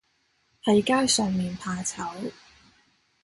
喺街上面怕醜